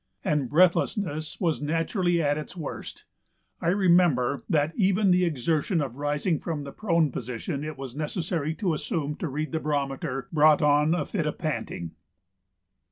And breathlessness was naturally at its worst; I remember that even the exertion of rising from the prone position it was necessary to assume to read the barometer brought on a fit of panting.